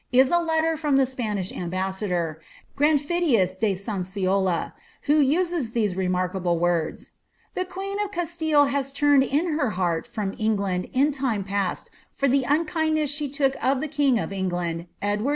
is a letter from the Spanish ambassador, Granfidius Sasiola, who uses these remarkable words :*^ The queen of Castille \ turned in her heart from England in time past for the unkindness took of the king of England (Edward IV.